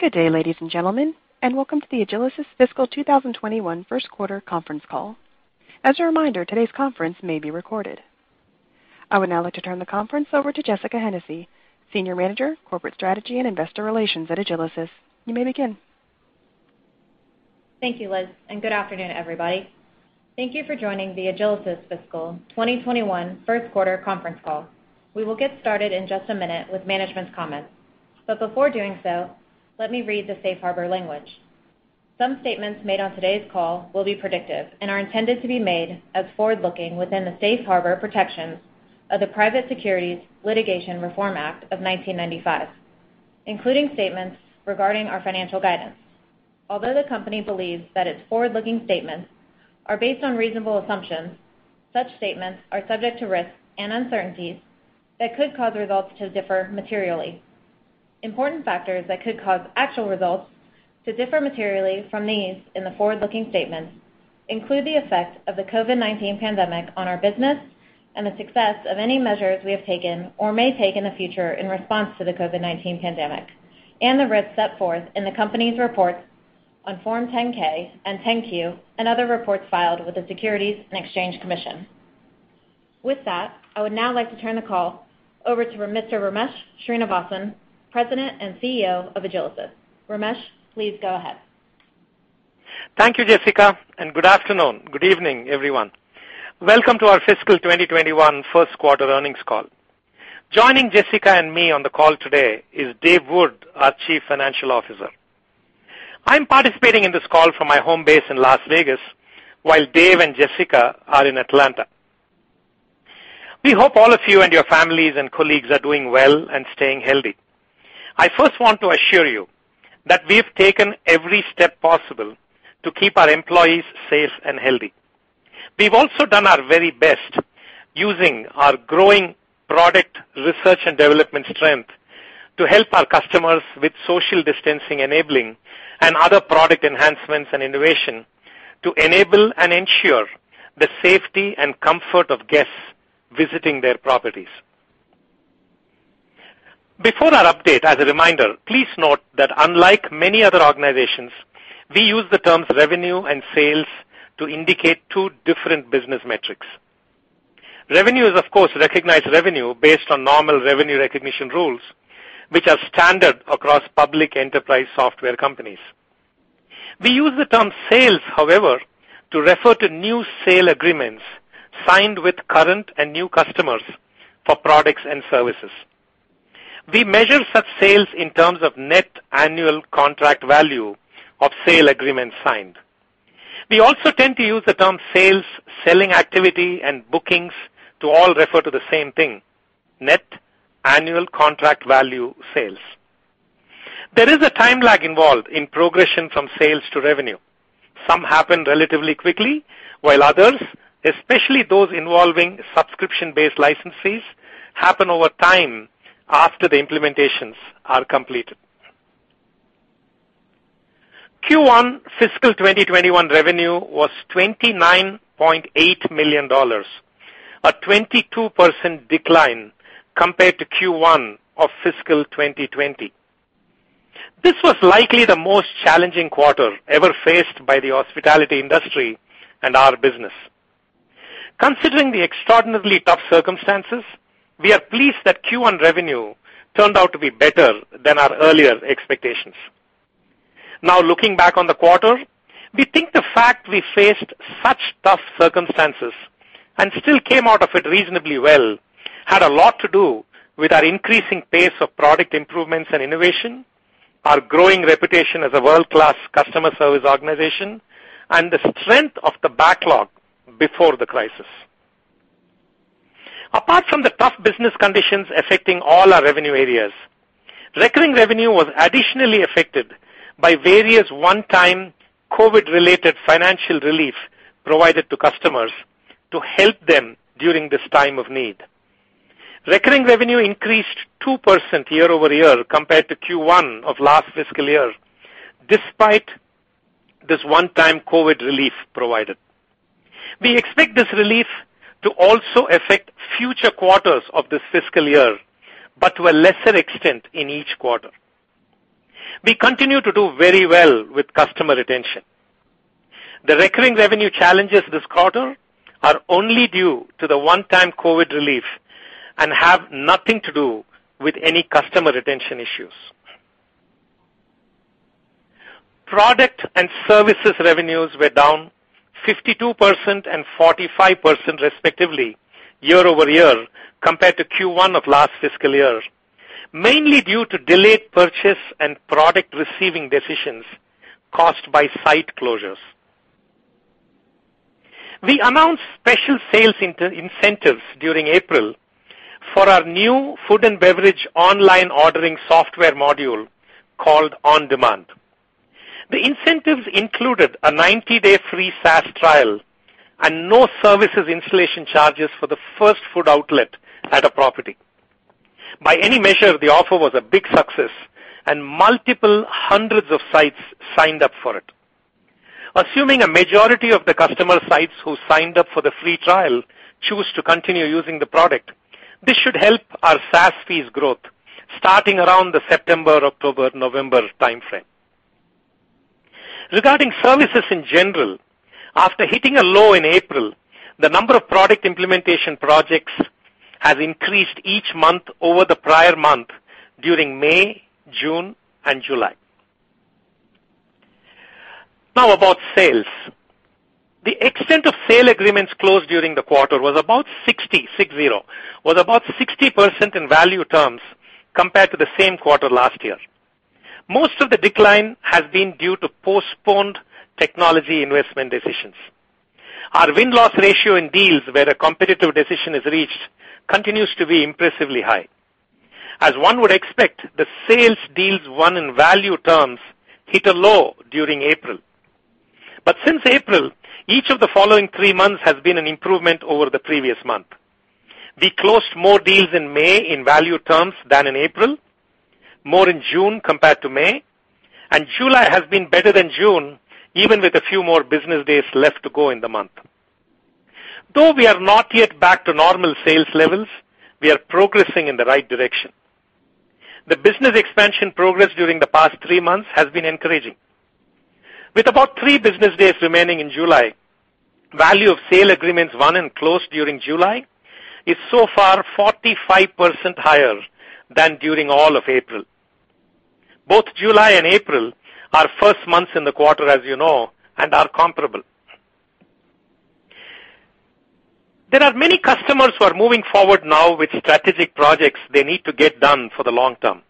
Good day, ladies and gentlemen, and welcome to the Agilysys Fiscal 2021 First Quarter Conference Call. As a reminder, today's conference may be recorded. I would now like to turn the conference over to Jessica Hennessy, Senior Manager, Corporate Strategy and Investor Relations at Agilysys. You may begin. Thank you, Liz. Good afternoon, everybody. Thank you for joining the Agilysys Fiscal 2021 First Quarter Conference Call. We will get started in just a minute with management's comments. Before doing so, let me read the Safe Harbor language. Some statements made on today's call will be predictive and are intended to be made as forward-looking within the Safe Harbor protections of the Private Securities Litigation Reform Act of 1995, including statements regarding our financial guidance. Although the company believes that its forward-looking statements are based on reasonable assumptions, such statements are subject to risks and uncertainties that could cause results to differ materially. Important factors that could cause actual results to differ materially from these in the forward-looking statements include the effect of the COVID-19 pandemic on our business and the success of any measures we have taken or may take in the future in response to the COVID-19 pandemic, and the risks set forth in the company's reports on Form 10-K and Form 10-Q and other reports filed with the Securities and Exchange Commission. With that, I would now like to turn the call over to Mr. Ramesh Srinivasan, President and CEO of Agilysys. Ramesh, please go ahead. Thank you, Jessica, and good afternoon. Good evening, everyone. Welcome to our Fiscal 2021 First Quarter Earnings Call. Joining Jessica and me on the call today is Dave Wood, our Chief Financial Officer. I'm participating in this call from my home base in Las Vegas, while Dave and Jessica are in Atlanta. We hope all of you and your families and colleagues are doing well and staying healthy. I first want to assure you that we've taken every step possible to keep our employees safe and healthy. We've also done our very best using our growing product research and development strength to help our customers with social distancing enabling and other product enhancements and innovation to enable and ensure the safety and comfort of guests visiting their properties. Before our update, as a reminder, please note that unlike many other organizations, we use the terms revenue and sales to indicate two different business metrics. Revenue is, of course, recognized revenue based on normal revenue recognition rules, which are standard across public enterprise software companies. We use the term sales, however, to refer to new sale agreements signed with current and new customers for products and services. We measure such sales in terms of net annual contract value of sale agreements signed. We also tend to use the term sales, selling activity, and bookings to all refer to the same thing: net annual contract value sales. There is a time lag involved in progression from sales to revenue. Some happen relatively quickly, while others, especially those involving subscription-based licenses, happen over time after the implementations are completed. Q1 fiscal 2021 revenue was $29.8 million, a 22% decline compared to Q1 of fiscal 2020. This was likely the most challenging quarter ever faced by the hospitality industry and our business. Considering the extraordinarily tough circumstances, we are pleased that Q1 revenue turned out to be better than our earlier expectations. Now looking back on the quarter, we think the fact we faced such tough circumstances and still came out of it reasonably well had a lot to do with our increasing pace of product improvements and innovation, our growing reputation as a world-class customer service organization, and the strength of the backlog before the crisis. Apart from the tough business conditions affecting all our revenue areas, recurring revenue was additionally affected by various one-time COVID-related financial relief provided to customers to help them during this time of need. Recurring revenue increased 2% year-over-year compared to Q1 of last fiscal year, despite this one-time COVID-19 relief provided. We expect this relief to also affect future quarters of this fiscal year, but to a lesser extent in each quarter. We continue to do very well with customer retention. The recurring revenue challenges this quarter are only due to the one-time COVID-19 relief and have nothing to do with any customer retention issues. Product and services revenues were down 52% and 45%, respectively, year-over-year compared to Q1 of last fiscal year, mainly due to delayed purchase and product receiving decisions caused by site closures. We announced special sales incentives during April for our new food and beverage online ordering software module, called OnDemand. The incentives included a 90-day free SaaS trial and no services installation charges for the first food outlet at a property. By any measure, the offer was a big success. Multiple hundreds of sites signed up for it. Assuming a majority of the customer sites who signed up for the free trial choose to continue using the product, this should help our SaaS fees growth starting around the September, October, November timeframe. Regarding services in general, after hitting a low in April, the number of product implementation projects has increased each month over the prior month during May, June, and July. About sales. The extent of sale agreements closed during the quarter was about 60% in value terms compared to the same quarter last year. Most of the decline has been due to postponed technology investment decisions. Our win-loss ratio in deals where a competitive decision is reached continues to be impressively high. As one would expect, the sales deals won in value terms hit a low during April. Since April, each of the following three months has been an improvement over the previous month. We closed more deals in May in value terms than in April, more in June compared to May, July has been better than June, even with a few more business days left to go in the month. We are not yet back to normal sales levels, we are progressing in the right direction. The business expansion progress during the past three months has been encouraging. With about three business days remaining in July, value of sale agreements won and closed during July is so far 45% higher than during all of April. Both July and April are first months in the quarter, as you know, and are comparable. There are many customers who are moving forward now with strategic projects they need to get done for the long term.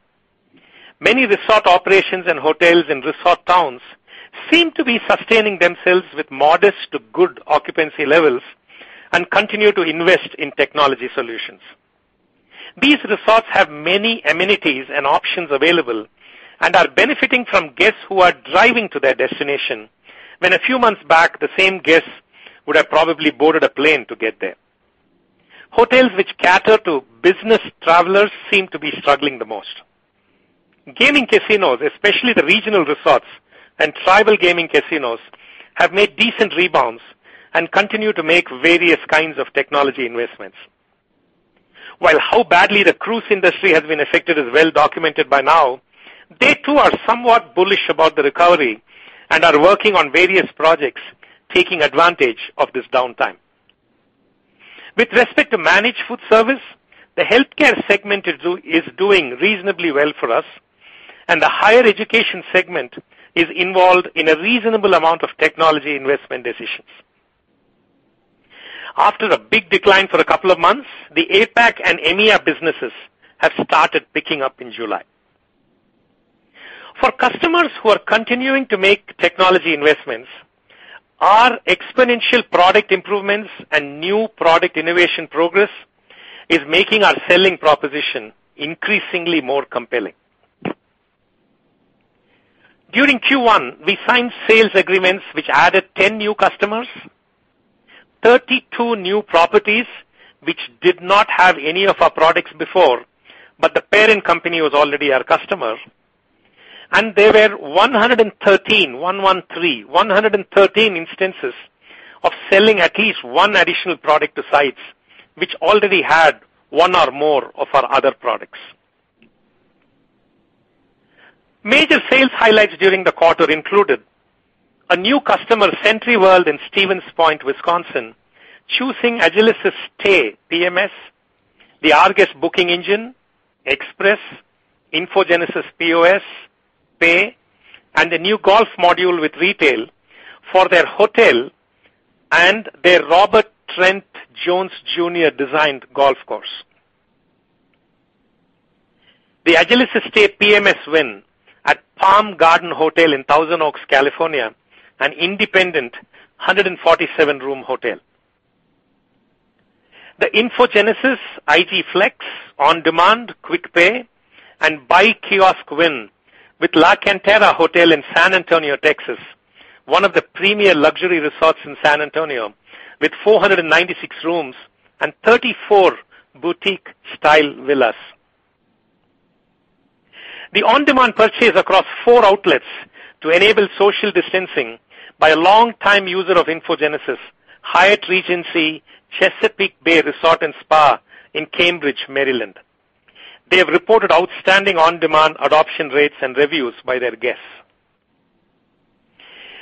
Many resort operations and hotels in resort towns seem to be sustaining themselves with modest to good occupancy levels and continue to invest in technology solutions. These resorts have many amenities and options available and are benefiting from guests who are driving to their destination, when a few months back, the same guests would have probably boarded a plane to get there. Hotels which cater to business travelers seem to be struggling the most. Gaming casinos, especially the regional resorts and tribal gaming casinos, have made decent rebounds and continue to make various kinds of technology investments. While how badly the cruise industry has been affected is well-documented by now, they too are somewhat bullish about the recovery and are working on various projects taking advantage of this downtime. With respect to managed foodservice, the healthcare segment is doing reasonably well for us, and the higher education segment is involved in a reasonable amount of technology investment decisions. After a big decline for a couple of months, the APAC and EMEA businesses have started picking up in July. For customers who are continuing to make technology investments, our exponential product improvements and new product innovation progress is making our selling proposition increasingly more compelling. During Q1, we signed sales agreements which added 10 new customers, 32 new properties which did not have any of our products before, but the parent company was already our customer, and there were 113, one-one-three, 113 instances of selling at least one additional product to sites which already had one or more of our other products. Major sales highlights during the quarter included a new customer, SentryWorld, in Stevens Point, Wisconsin, choosing Agilysys Stay PMS, rGuest Booking engine, Express, InfoGenesis POS, Pay, and the new golf module with retail for their hotel and their Robert Trent Jones Jr.-designed golf course. The Agilysys Stay PMS win at Palm Garden Hotel in Thousand Oaks, California, an independent 147-room hotel. The InfoGenesis IG Flex, OnDemand, Quick Pay, and Buy Kiosk win with La Cantera Hotel in San Antonio, Texas, one of the premier luxury resorts in San Antonio with 496 rooms and 34 boutique-style villas. The OnDemand purchase across four outlets to enable social distancing by a long-time user of InfoGenesis, Hyatt Regency Chesapeake Bay Resort and Spa in Cambridge, Maryland. They have reported outstanding OnDemand adoption rates and reviews by their guests.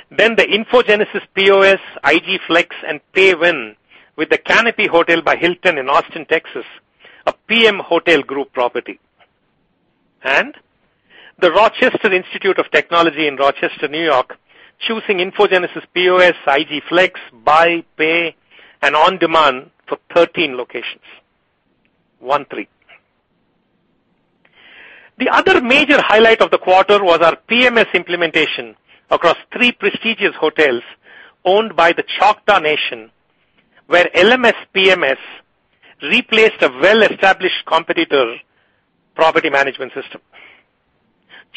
The InfoGenesis POS, IG Flex, and Agilysys Pay win with Canopy by Hilton Austin Downtown in Austin, Texas, a PM Hotel Group property. The Rochester Institute of Technology in Rochester, New York, choosing InfoGenesis POS, IG Flex, Buy, Pay, and OnDemand for 13 locations. 1-3. The other major highlight of the quarter was our PMS implementation across three prestigious hotels owned by the Choctaw Nation, where LMS PMS replaced a well-established competitor property management system.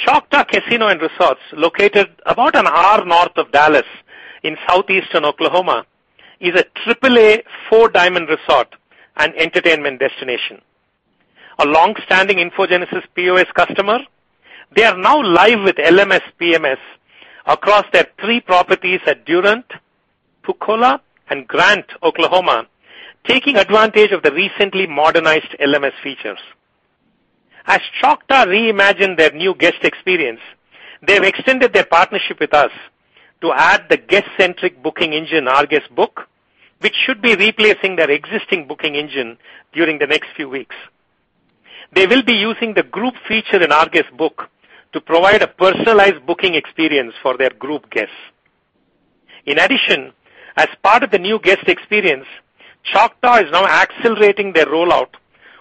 Choctaw Casinos & Resorts, located about an hour north of Dallas in southeastern Oklahoma, is a AAA Four Diamond resort and entertainment destination. A longstanding InfoGenesis POS customer. They are now live with LMS PMS across their three properties at Durant, Pocola, and Grant, Oklahoma, taking advantage of the recently modernized LMS features. As Choctaw reimagined their new guest experience, they've extended their partnership with us to add the guest-centric booking engine rGuest Book, which should be replacing their existing booking engine during the next few weeks. They will be using the group feature in rGuest Book to provide a personalized booking experience for their group guests. As part of the new guest experience, Choctaw is now accelerating their rollout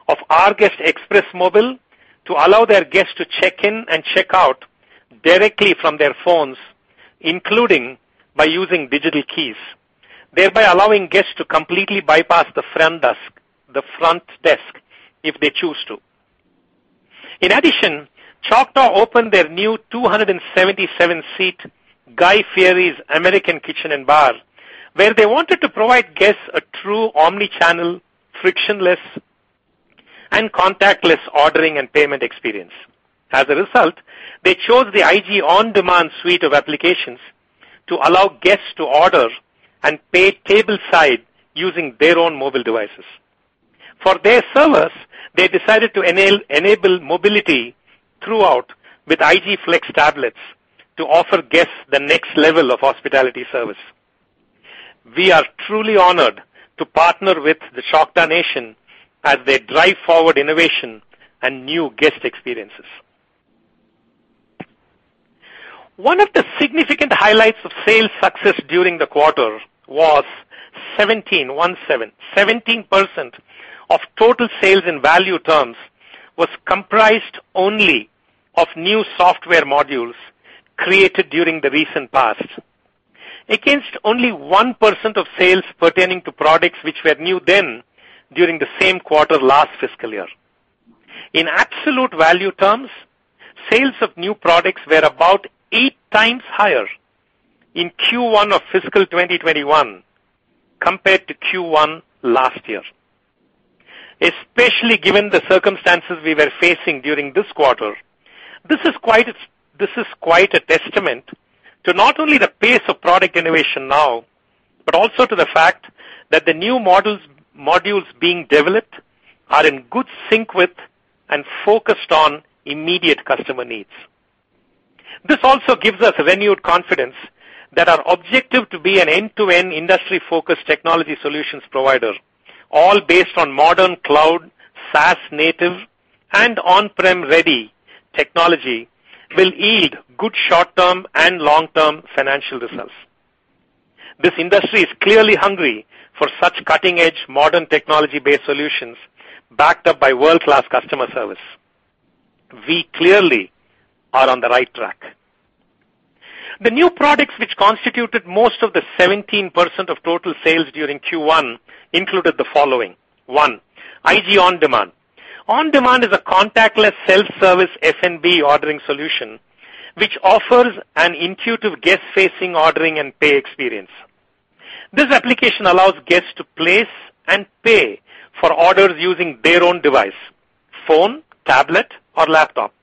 of rGuest Express Mobile to allow their guests to check in and check out directly from their phones, including by using digital keys, thereby allowing guests to completely bypass the front desk, if they choose to. Choctaw opened their new 277-seat Guy Fieri's American Kitchen + Bar, where they wanted to provide guests a true omni-channel, frictionless, and contactless ordering and payment experience. As a result, they chose the IG OnDemand suite of applications to allow guests to order and pay tableside using their own mobile devices. For their servers, they decided to enable mobility throughout with IG Flex tablets to offer guests the next level of hospitality service. We are truly honored to partner with the Choctaw Nation as they drive forward innovation and new guest experiences. One of the significant highlights of sales success during the quarter was 17, one seven, 17% of total sales in value terms was comprised only of new software modules created during the recent past. Only 1% of sales pertaining to products which were new then during the same quarter last fiscal year. In absolute value terms, sales of new products were about eight times higher in Q1 of fiscal 2021 compared to Q1 last year. Especially given the circumstances we were facing during this quarter, this is quite a testament to not only the pace of product innovation now, but also to the fact that the new modules being developed are in good sync with, and focused on, immediate customer needs. This also gives us renewed confidence that our objective to be an end-to-end industry-focused technology solutions provider, all based on modern cloud, SaaS-native, and on-prem ready technology, will yield good short-term and long-term financial results. This industry is clearly hungry for such cutting-edge modern technology-based solutions backed up by world-class customer service. We clearly are on the right track. The new products which constituted most of the 17% of total sales during Q1 included the following. One, IG OnDemand. OnDemand is a contactless self-service F&B ordering solution, which offers an intuitive guest-facing ordering and pay experience. This application allows guests to place and pay for orders using their own device, phone, tablet, or laptop.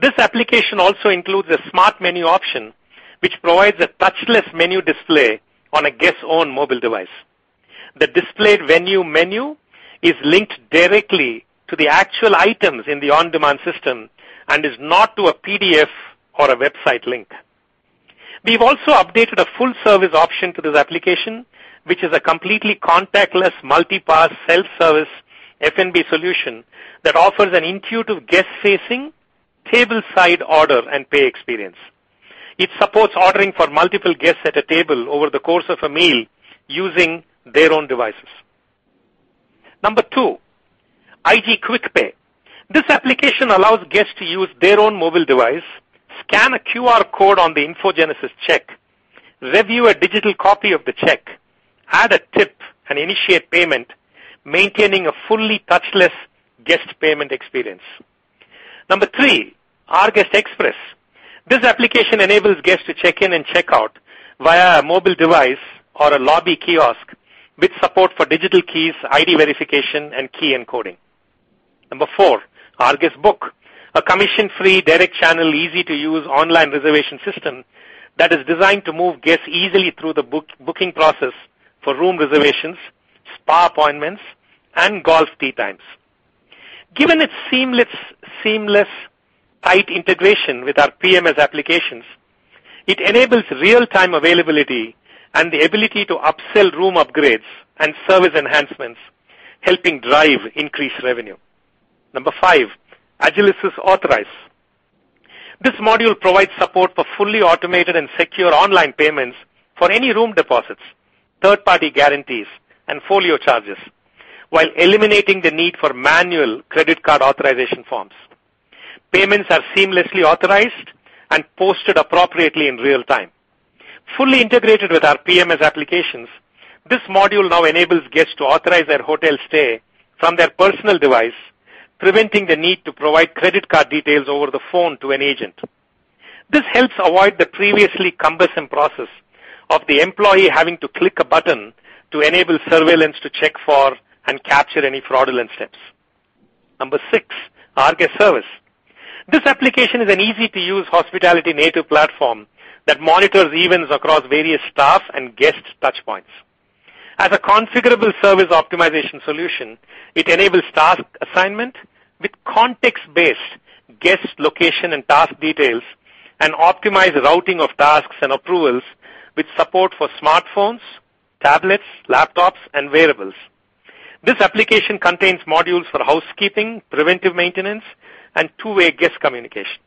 This application also includes a smart menu option, which provides a touchless menu display on a guest's own mobile device. The displayed venue menu is linked directly to the actual items in the OnDemand system and is not to a PDF or a website link. We've also updated a full-service option to this application, which is a completely contactless, multi-path, self-service F&B solution that offers an intuitive guest-facing, tableside order and pay experience. It supports ordering for multiple guests at a table over the course of a meal using their own devices. Number two, IG Quick Pay. This application allows guests to use their own mobile device, scan a QR code on the InfoGenesis check, review a digital copy of the check, add a tip, and initiate payment, maintaining a fully touchless guest payment experience. Number three, rGuest Express. This application enables guests to check in and check out via a mobile device or a lobby kiosk with support for digital keys, ID verification, and key encoding. Number four, rGuest Book, a commission-free, direct channel, easy-to-use online reservation system that is designed to move guests easily through the booking process for room reservations, spa appointments, and golf tee times. Given its seamless tight integration with our PMS applications, it enables real-time availability and the ability to upsell room upgrades and service enhancements, helping drive increased revenue. Number five, Agilysys Authorize. This module provides support for fully automated and secure online payments for any room deposits, third-party guarantees, and folio charges, while eliminating the need for manual credit card authorization forms. Payments are seamlessly authorized and posted appropriately in real time. Fully integrated with our PMS applications, this module now enables guests to authorize their hotel stay from their personal device, preventing the need to provide credit card details over the phone to an agent. This helps avoid the previously cumbersome process of the employee having to click a button to enable surveillance to check for and capture any fraudulent steps. Number six, Agilysys Service. This application is an easy-to-use hospitality native platform that monitors events across various staff and guest touchpoints. As a configurable service optimization solution, it enables task assignment with context-based guest location and task details and optimized routing of tasks and approvals with support for smartphones, tablets, laptops, and wearables. This application contains modules for housekeeping, preventive maintenance, and two-way guest communication.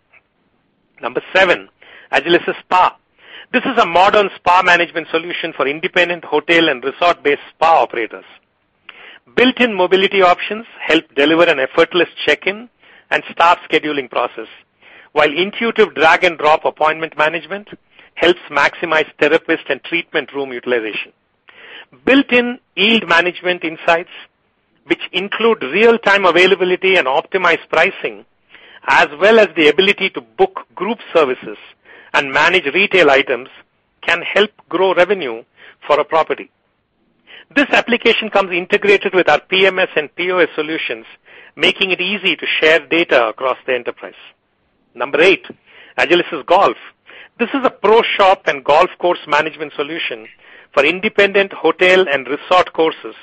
Number seven, Agilysys Spa. This is a modern spa management solution for independent hotel and resort-based spa operators. Built-in mobility options help deliver an effortless check-in and staff scheduling process, while intuitive drag and drop appointment management helps maximize therapist and treatment room utilization. Built-in yield management insights, which include real-time availability and optimized pricing, as well as the ability to book group services and manage retail items, can help grow revenue for a property. This application comes integrated with our PMS and POS solutions, making it easy to share data across the enterprise. Number eight, Agilysys Golf. This is a pro shop and golf course management solution for independent hotel and resort courses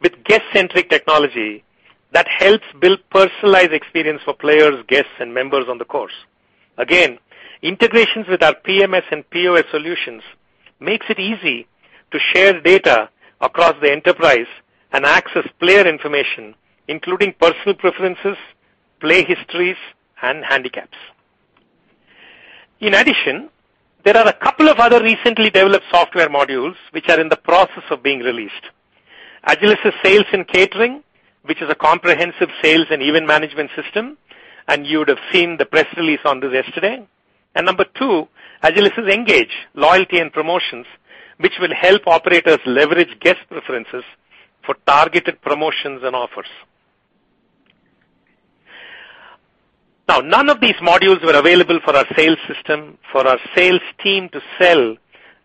with guest-centric technology that helps build personalized experience for players, guests, and members on the course. Integrations with our PMS and POS solutions makes it easy to share data across the enterprise and access player information, including personal preferences, play histories, and handicaps. In addition, there are a couple of other recently developed software modules which are in the process of being released. Agilysys Sales and Catering, which is a comprehensive sales and event management system. You would have seen the press release on this yesterday. Number two, Agilysys Engage, Loyalty and Promotions, which will help operators leverage guest preferences for targeted promotions and offers. None of these modules were available for our sales team to sell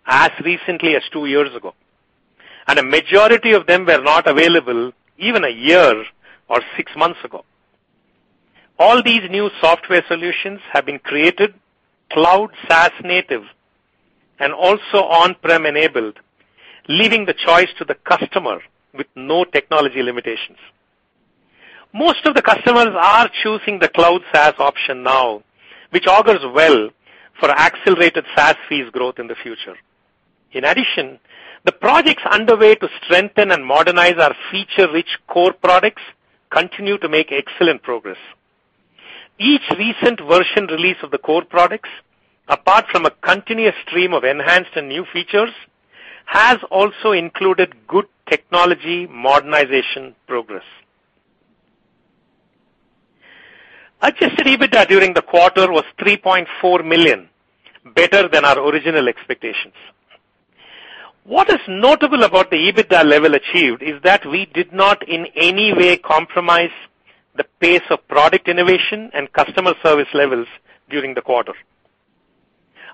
as recently as two years ago. A majority of them were not available even a year or six months ago. All these new software solutions have been created cloud SaaS-native and also on-prem enabled, leaving the choice to the customer with no technology limitations. Most of the customers are choosing the cloud SaaS option now, which augurs well for accelerated SaaS fees growth in the future. In addition, the projects underway to strengthen and modernize our feature-rich core products continue to make excellent progress. Each recent version release of the core products, apart from a continuous stream of enhanced and new features, has also included good technology modernization progress. Adjusted EBITDA during the quarter was $3.4 million, better than our original expectations. What is notable about the EBITDA level achieved is that we did not in any way compromise the pace of product innovation and customer service levels during the quarter.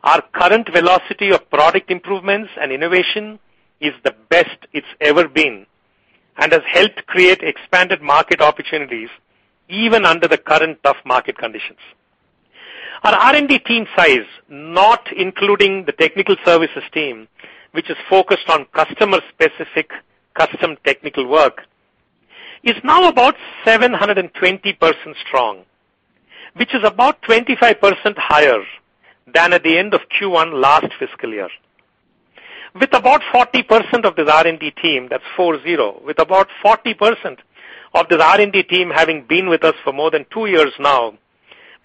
Our current velocity of product improvements and innovation is the best it's ever been and has helped create expanded market opportunities even under the current tough market conditions. Our R&D team size, not including the technical services team, which is focused on customer-specific custom technical work, is now about 720 persons strong, which is about 25% higher than at the end of Q1 last fiscal year. With about 40% of this R&D team, that's four zero, with about 40% of this R&D team having been with us for more than two years now,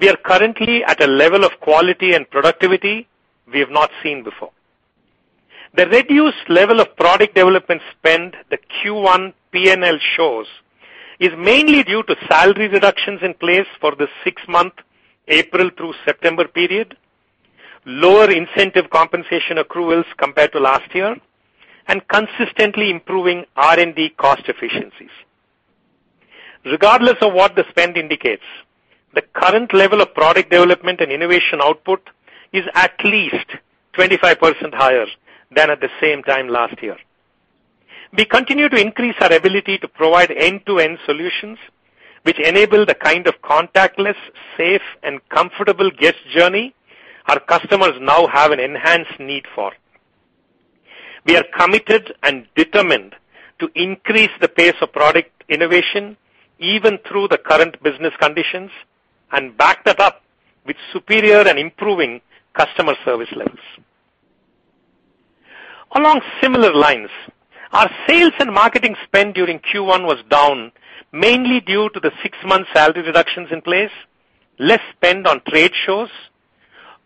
we are currently at a level of quality and productivity we have not seen before. The reduced level of product development spend the Q1 P&L shows is mainly due to salary reductions in place for the six-month April through September period, lower incentive compensation accruals compared to last year, and consistently improving R&D cost efficiencies. Regardless of what the spend indicates, the current level of product development and innovation output is at least 25% higher than at the same time last year. We continue to increase our ability to provide end-to-end solutions, which enable the kind of contactless, safe, and comfortable guest journey our customers now have an enhanced need for. We are committed and determined to increase the pace of product innovation, even through the current business conditions, and back that up with superior and improving customer service levels. Along similar lines, our sales and marketing spend during Q1 was down, mainly due to the six-month salary reductions in place, less spend on trade shows,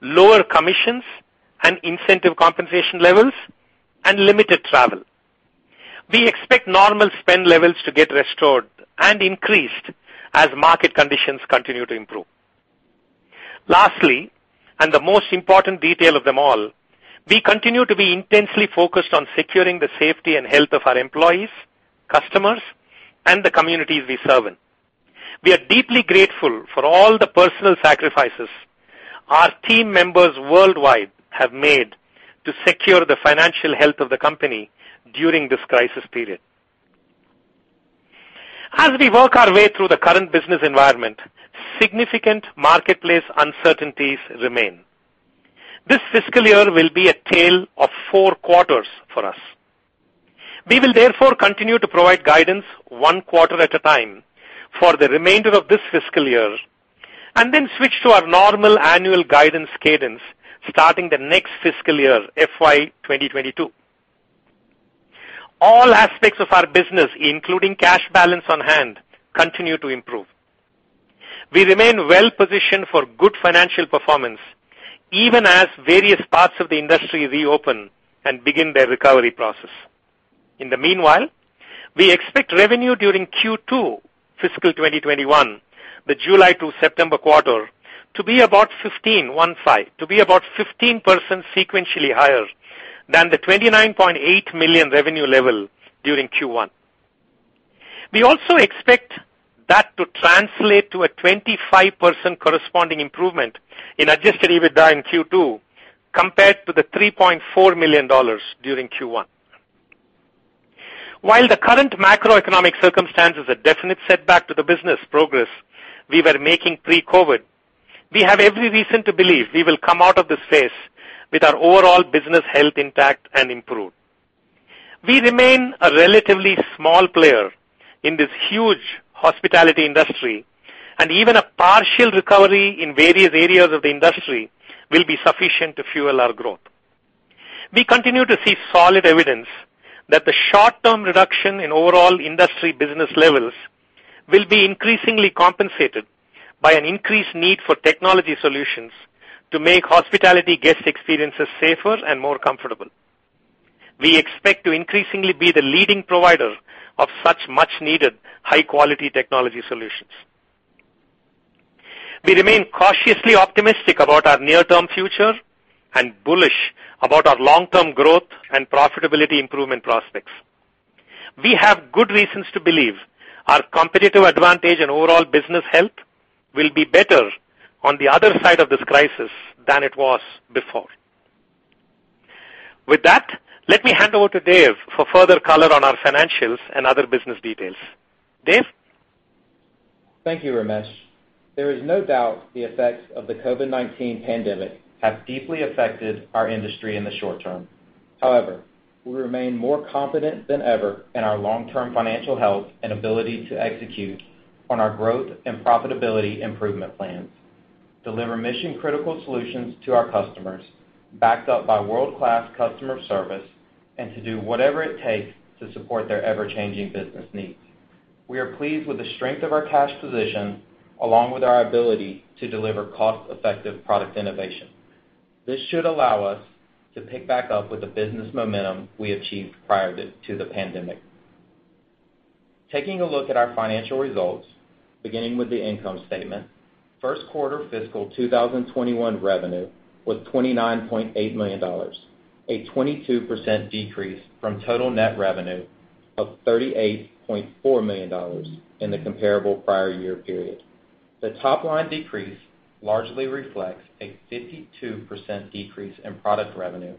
lower commissions and incentive compensation levels, and limited travel. We expect normal spend levels to get restored and increased as market conditions continue to improve. Lastly, the most important detail of them all, we continue to be intensely focused on securing the safety and health of our employees, customers and the communities we serve in. We are deeply grateful for all the personal sacrifices our team members worldwide have made to secure the financial health of the company during this crisis period. As we work our way through the current business environment, significant marketplace uncertainties remain. This fiscal year will be a tale of four quarters for us. We will therefore continue to provide guidance one quarter at a time for the remainder of this fiscal year, and then switch to our normal annual guidance cadence starting the next fiscal year, FY 2022. All aspects of our business, including cash balance on hand, continue to improve. We remain well-positioned for good financial performance, even as various parts of the industry reopen and begin their recovery process. In the meanwhile, we expect revenue during Q2 fiscal 2021, the July to September quarter, to be about 15% sequentially higher than the $29.8 million revenue level during Q1. We also expect that to translate to a 25% corresponding improvement in adjusted EBITDA in Q2 compared to the $3.4 million during Q1. While the current macroeconomic circumstances a definite setback to the business progress we were making pre-COVID, we have every reason to believe we will come out of this phase with our overall business health intact and improved. We remain a relatively small player in this huge hospitality industry, even a partial recovery in various areas of the industry will be sufficient to fuel our growth. We continue to see solid evidence that the short-term reduction in overall industry business levels will be increasingly compensated by an increased need for technology solutions to make hospitality guest experiences safer and more comfortable. We expect to increasingly be the leading provider of such much needed high-quality technology solutions. We remain cautiously optimistic about our near-term future and bullish about our long-term growth and profitability improvement prospects. We have good reasons to believe our competitive advantage and overall business health will be better on the other side of this crisis than it was before. With that, let me hand over to Dave for further color on our financials and other business details. Dave? Thank you, Ramesh. There is no doubt the effects of the COVID-19 pandemic have deeply affected our industry in the short term. We remain more confident than ever in our long-term financial health and ability to execute on our growth and profitability improvement plans, deliver mission-critical solutions to our customers, backed up by world-class customer service, and to do whatever it takes to support their ever-changing business needs. We are pleased with the strength of our cash position, along with our ability to deliver cost-effective product innovation. This should allow us to pick back up with the business momentum we achieved prior to the pandemic. Taking a look at our financial results, beginning with the income statement, first quarter fiscal 2021 revenue was $29.8 million, a 22% decrease from total net revenue of $38.4 million in the comparable prior year period. The top line decrease largely reflects a 52% decrease in product revenue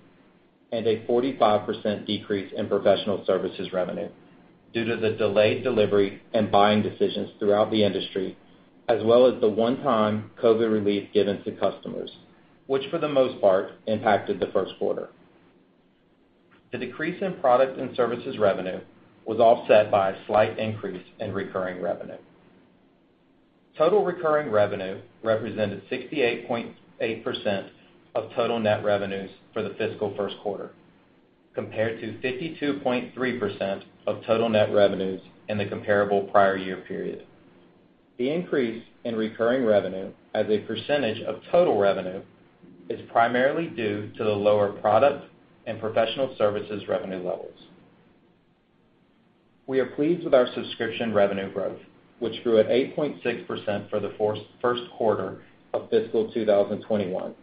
and a 45% decrease in professional services revenue due to the delayed delivery and buying decisions throughout the industry, as well as the one-time COVID relief given to customers, which for the most part, impacted the first quarter. The decrease in product and services revenue was offset by a slight increase in recurring revenue. Total recurring revenue represented 68.8% of total net revenues for the fiscal first quarter, compared to 52.3% of total net revenues in the comparable prior year period. The increase in recurring revenue as a percentage of total revenue is primarily due to the lower product and professional services revenue levels. We are pleased with our subscription revenue growth, which grew at 8.6% for the first quarter of fiscal 2021,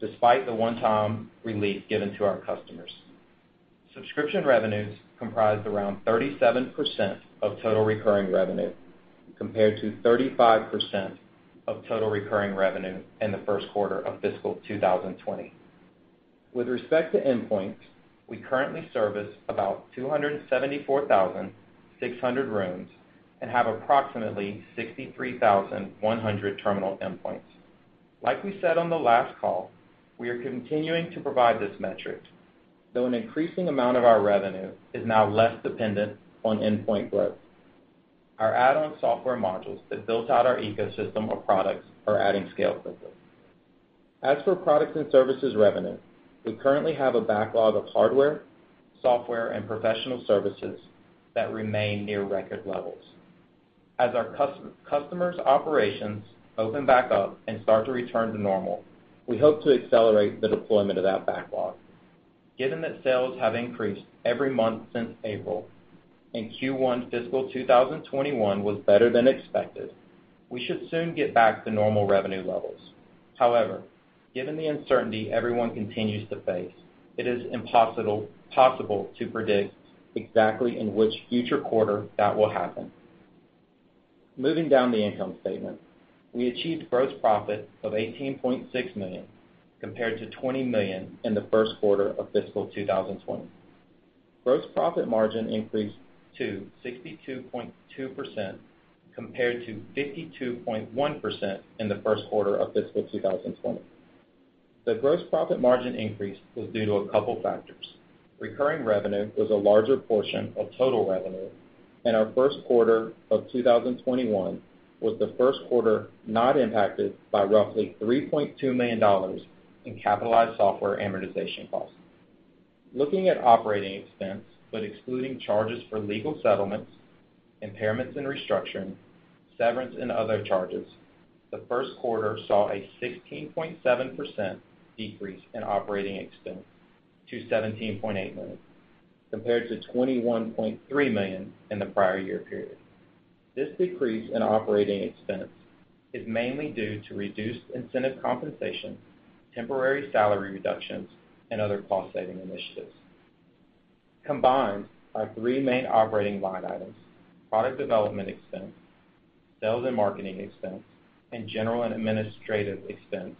despite the one-time relief given to our customers. Subscription revenues comprised around 37% of total recurring revenue, compared to 35% of total recurring revenue in the first quarter of FY 2020. With respect to endpoints, we currently service about 274,600 rooms and have approximately 63,100 terminal endpoints. Like we said on the last call, we are continuing to provide this metric, though an increasing amount of our revenue is now less dependent on endpoint growth. Our add-on software modules that built out our ecosystem of products are adding scale quickly. As for products and services revenue, we currently have a backlog of hardware, software, and professional services that remain near record levels. As our customers' operations open back up and start to return to normal, we hope to accelerate the deployment of that backlog. Given that sales have increased every month since April, and Q1 fiscal 2021 was better than expected. We should soon get back to normal revenue levels. However, given the uncertainty everyone continues to face, it is impossible to predict exactly in which future quarter that will happen. Moving down the income statement. We achieved gross profit of $18.6 million compared to $20 million in the first quarter of fiscal 2020. Gross profit margin increased to 62.2% compared to 52.1% in the first quarter of fiscal 2020. The gross profit margin increase was due to a couple factors. Recurring revenue was a larger portion of total revenue, and our first quarter of 2021 was the first quarter not impacted by roughly $3.2 million in capitalized software amortization costs. Looking at operating expense, excluding charges for legal settlements, impairments and restructuring, severance and other charges, the first quarter saw a 16.7% decrease in operating expense to $17.8 million, compared to $21.3 million in the prior year period. This decrease in operating expense is mainly due to reduced incentive compensation, temporary salary reductions, and other cost-saving initiatives. Combined, our three main operating line items, product development expense, sales and marketing expense, and general and administrative expense,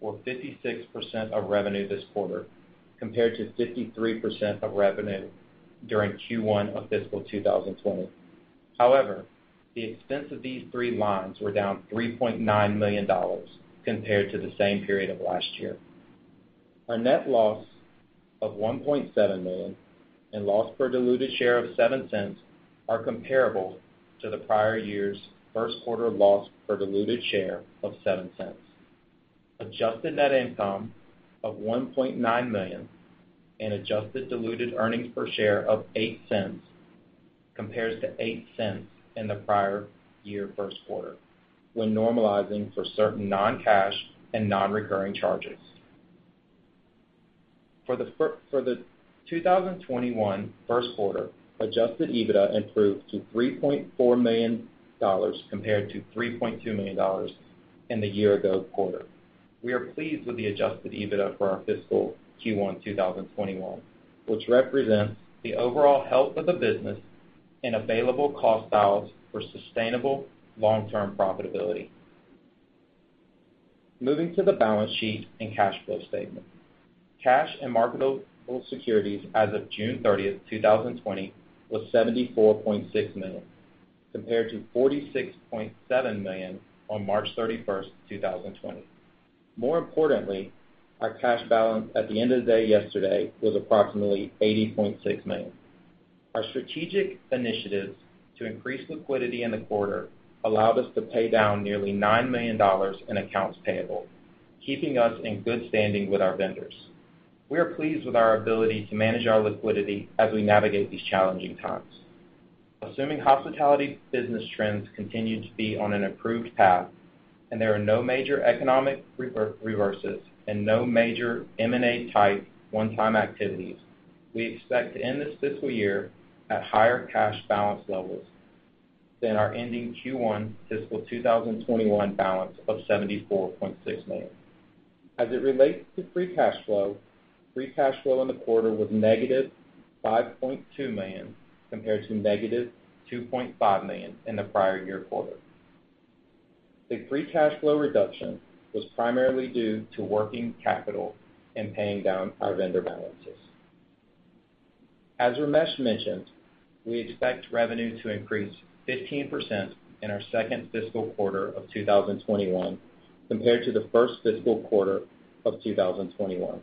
were 56% of revenue this quarter, compared to 53% of revenue during Q1 of FY 2020. The expense of these three lines were down $3.9 million compared to the same period of last year. Our net loss of $1.7 million and loss per diluted share of $0.07 are comparable to the prior year's first quarter loss per diluted share of $0.07. Adjusted net income of $1.9 million and adjusted diluted earnings per share of $0.08 compares to $0.08 in the prior year first quarter, when normalizing for certain non-cash and non-recurring charges. For the 2021 first quarter, adjusted EBITDA improved to $3.4 million compared to $3.2 million in the year ago quarter. We are pleased with the adjusted EBITDA for our fiscal Q1 2021, which represents the overall health of the business and available cost levers for sustainable long-term profitability. Moving to the balance sheet and cash flow statement. Cash and marketable securities as of June 30th, 2020, was $74.6 million, compared to $46.7 million on March 31st, 2020. More importantly, our cash balance at the end of the day yesterday was approximately $80.6 million. Our strategic initiatives to increase liquidity in the quarter allowed us to pay down nearly $9 million in accounts payable, keeping us in good standing with our vendors. We are pleased with our ability to manage our liquidity as we navigate these challenging times. Assuming hospitality business trends continue to be on an improved path and there are no major economic reverses and no major M&A type one-time activities, we expect to end this fiscal year at higher cash balance levels than our ending Q1 2021 balance of $74.6 million. As it relates to free cash flow, free cash flow in the quarter was -$5.2 million, compared to -$2.5 million in the prior year quarter. The free cash flow reduction was primarily due to working capital and paying down our vendor balances. As Ramesh mentioned, we expect revenue to increase 15% in our second fiscal quarter of 2021 compared to the first fiscal quarter of 2021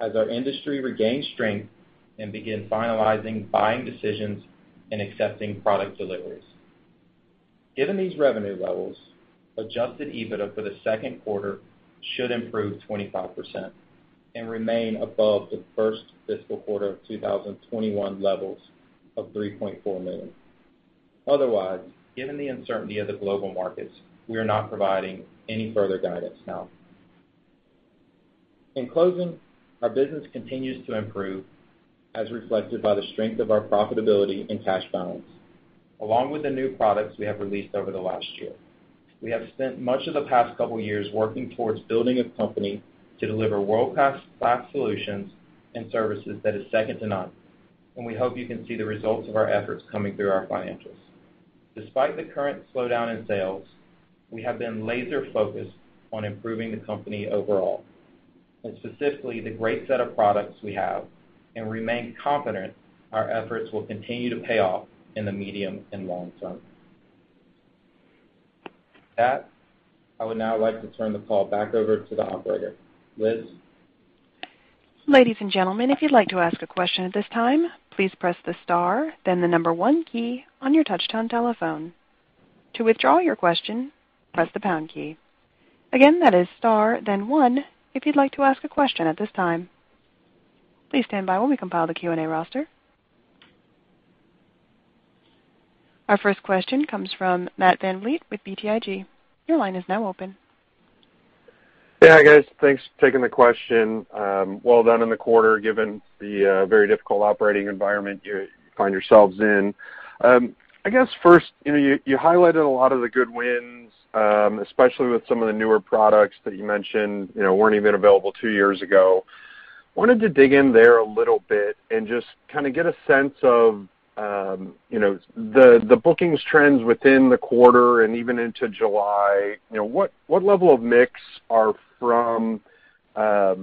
as our industry regains strength and begin finalizing buying decisions and accepting product deliveries. Given these revenue levels, adjusted EBITDA for the second quarter should improve 25% and remain above the first fiscal quarter of 2021 levels of $3.4 million. Otherwise, given the uncertainty of the global markets, we are not providing any further guidance now. In closing, our business continues to improve, as reflected by the strength of our profitability and cash balance, along with the new products we have released over the last year. We have spent much of the past couple years working towards building a company to deliver world-class solutions and services that is second to none, and we hope you can see the results of our efforts coming through our financials. Despite the current slowdown in sales, we have been laser focused on improving the company overall, and specifically the great set of products we have, and remain confident our efforts will continue to pay off in the medium and long term. With that, I would now like to turn the call back over to the operator. Liz? Ladies and gentlemen, if you'd like to ask a question at this time, please press the star then the number one key on your touchtone telephone. To withdraw your question, press the pound key. Again, that is star then one if you'd like to ask a question at this time. Please stand by while we compile the Q&A roster. Our first question comes from Matt VanVliet with BTIG. Your line is now open. Yeah, guys, thanks for taking the question. Well done in the quarter, given the very difficult operating environment you find yourselves in. I guess first, you highlighted a lot of the good wins, especially with some of the newer products that you mentioned, weren't even available two years ago. I wanted to dig in there a little bit and just kind of get a sense of the bookings trends within the quarter and even into July. What level of mix are from, I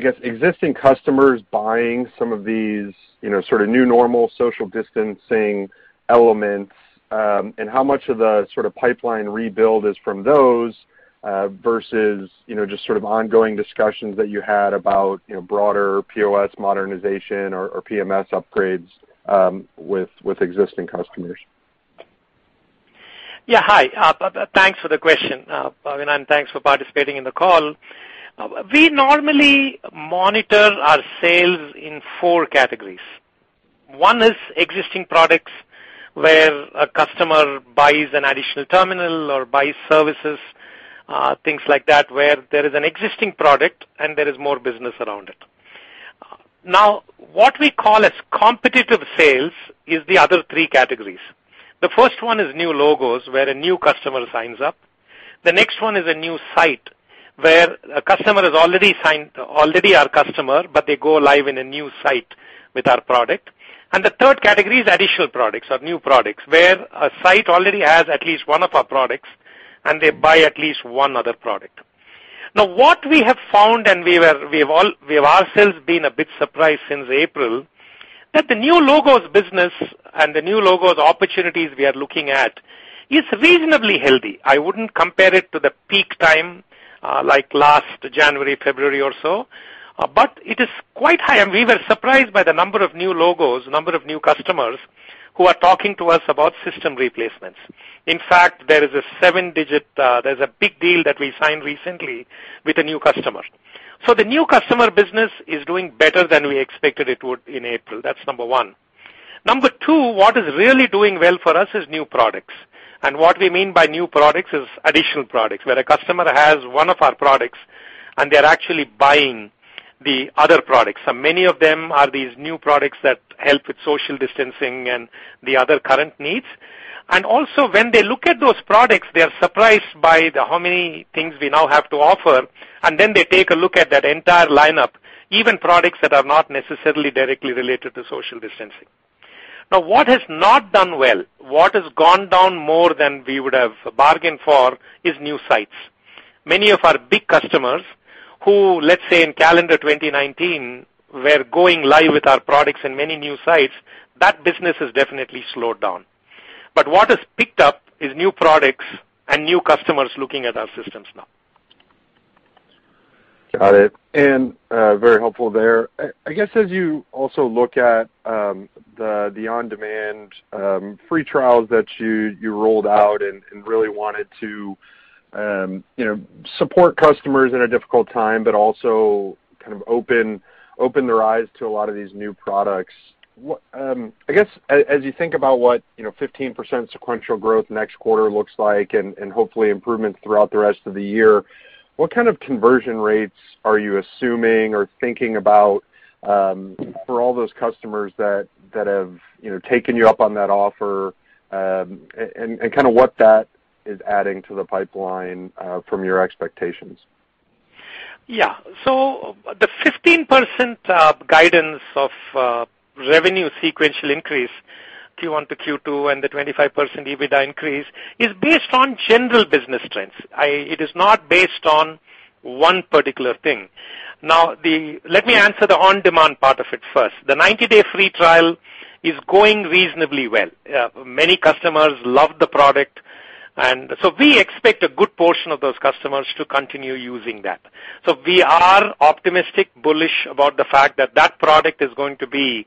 guess, existing customers buying some of these sort of new normal social distancing elements, and how much of the sort of pipeline rebuild is from those, versus, just sort of ongoing discussions that you had about broader POS modernization or PMS upgrades with existing customers? Yeah, hi. Thanks for the question, VanVliet, and thanks for participating in the call. We normally monitor our sales in four categories. One is existing products, where a customer buys an additional terminal or buys services, things like that, where there is an existing product and there is more business around it. What we call as competitive sales is the other three categories. The first one is new logos, where a new customer signs up. The next one is a new site, where a customer is already our customer, but they go live in a new site with our product. The third category is additional products or new products, where a site already has at least one of our products and they buy at least one other product. What we have found, and we have ourselves been a bit surprised since April, that the new logos business and the new logos opportunities we are looking at is reasonably healthy. I wouldn't compare it to the peak time, like last January, February, or so, but it is quite high, and we were surprised by the number of new logos, number of new customers, who are talking to us about system replacements. In fact, there's a big deal that we signed recently with a new customer. The new customer business is doing better than we expected it would in April. That's number one. Number two, what is really doing well for us is new products. What we mean by new products is additional products, where a customer has one of our products and they're actually buying the other products. Many of them are these new products that help with social distancing and the other current needs. Also, when they look at those products, they are surprised by how many things we now have to offer, and then they take a look at that entire lineup, even products that are not necessarily directly related to social distancing. What has not done well, what has gone down more than we would have bargained for, is new sites. Many of our big customers who, let's say in calendar 2019, were going live with our products in many new sites, that business has definitely slowed down. What has picked up is new products and new customers looking at our systems now. Got it. Very helpful there. I guess as you also look at the OnDemand free trials that you rolled out and really wanted to support customers in a difficult time, but also kind of open their eyes to a lot of these new products. I guess, as you think about what 15% sequential growth next quarter looks like and hopefully improvements throughout the rest of the year, what kind of conversion rates are you assuming or thinking about for all those customers that have taken you up on that offer, and kind of what that is adding to the pipeline, from your expectations? The 15% guidance of revenue sequential increase, Q1 to Q2, and the 25% EBITDA increase is based on general business trends. It is not based on one particular thing. Now, let me answer the OnDemand part of it first. The 90-day free trial is going reasonably well. Many customers love the product, and so we expect a good portion of those customers to continue using that. We are optimistic, bullish about the fact that product is going to be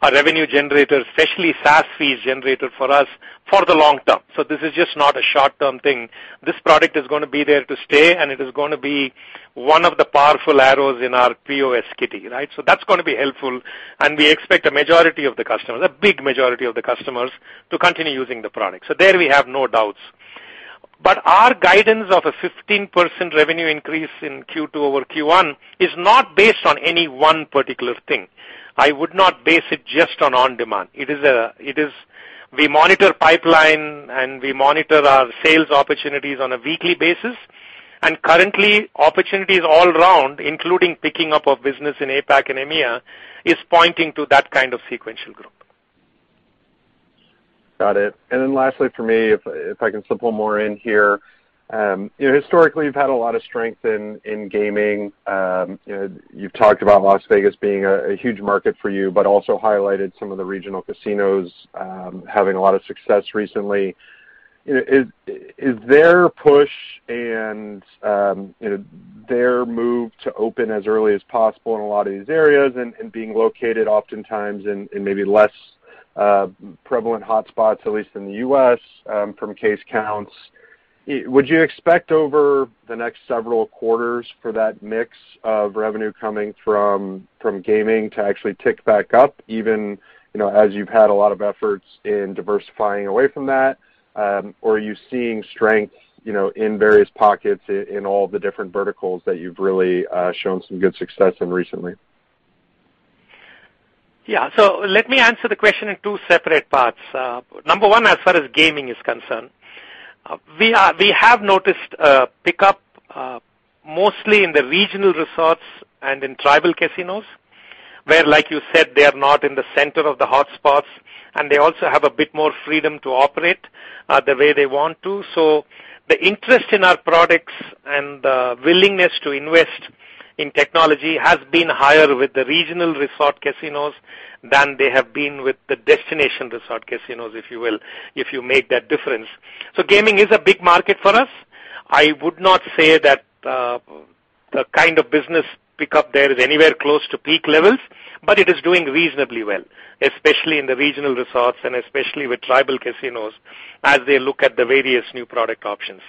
a revenue generator, especially SaaS fees generator for us for the long term. This is just not a short-term thing. This product is going to be there to stay, and it is going to be one of the powerful arrows in our POS kitty, right? That's going to be helpful, and we expect a majority of the customers, a big majority of the customers, to continue using the product. Our guidance of a 15% revenue increase in Q2 over Q1 is not based on any one particular thing. I would not base it just on OnDemand. We monitor pipeline and we monitor our sales opportunities on a weekly basis, and currently, opportunities all round, including picking up of business in APAC and EMEA, is pointing to that kind of sequential growth. Got it. Lastly for me, if I can slip one more in here. Historically, you've had a lot of strength in gaming. You've talked about Las Vegas being a huge market for you, but also highlighted some of the regional casinos having a lot of success recently. Is their push and their move to open as early as possible in a lot of these areas and being located oftentimes in maybe less prevalent hotspots, at least in the U.S., from case counts? Would you expect over the next several quarters for that mix of revenue coming from gaming to actually tick back up, even as you've had a lot of efforts in diversifying away from that? Are you seeing strength in various pockets in all the different verticals that you've really shown some good success in recently? Let me answer the question in two separate parts. Number one, as far as gaming is concerned, we have noticed a pickup, mostly in the regional resorts and in tribal casinos, where, like you said, they are not in the center of the hotspots, and they also have a bit more freedom to operate the way they want to. The interest in our products and the willingness to invest in technology has been higher with the regional resort casinos than they have been with the destination resort casinos, if you will, if you make that difference. Gaming is a big market for us. I would not say that the kind of business pickup there is anywhere close to peak levels, but it is doing reasonably well, especially in the regional resorts and especially with tribal casinos, as they look at the various new product options.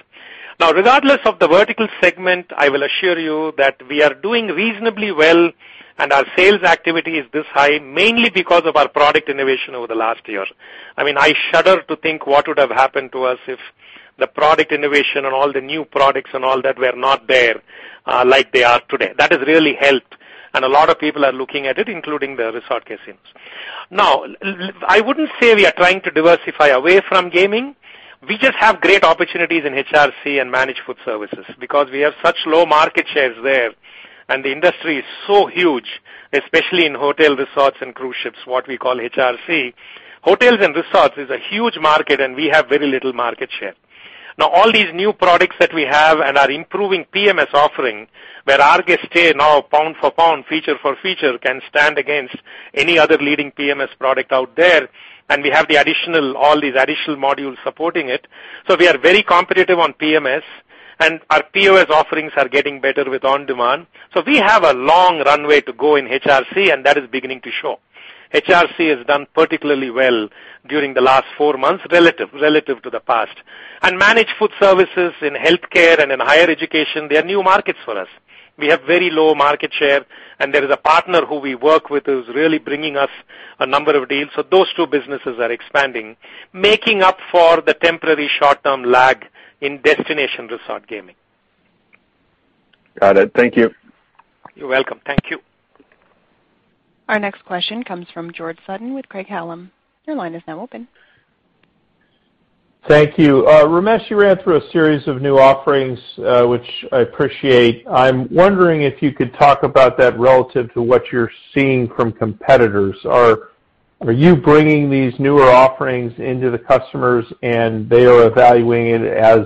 Now, regardless of the vertical segment, I will assure you that we are doing reasonably well, and our sales activity is this high mainly because of our product innovation over the last year. I shudder to think what would have happened to us if the product innovation and all the new products and all that were not there like they are today. That has really helped, and a lot of people are looking at it, including the resort casinos. Now, I wouldn't say we are trying to diversify away from gaming. We just have great opportunities in HRC and managed foodservices because we have such low market shares there, and the industry is so huge, especially in hotel resorts and cruise ships, what we call HRC. Hotels and resorts is a huge market, and we have very little market share. Now, all these new products that we have and our improving PMS offering, where rGuest Stay now, pound for pound, feature for feature, can stand against any other leading PMS product out there, and we have all these additional modules supporting it. We are very competitive on PMS, and our POS offerings are getting better with OnDemand. We have a long runway to go in HRC, and that is beginning to show. HRC has done particularly well during the last four months, relative to the past. Managed foodservices in healthcare and in higher education, they are new markets for us. We have very low market share, and there is a partner who we work with who is really bringing us a number of deals. Those two businesses are expanding, making up for the temporary short-term lag in destination resort gaming. Got it. Thank you. You're welcome. Thank you. Our next question comes from George Sutton with Craig-Hallum. Your line is now open. Thank you. Ramesh, you ran through a series of new offerings, which I appreciate. I'm wondering if you could talk about that relative to what you're seeing from competitors. Are you bringing these newer offerings into the customers and they are evaluating it as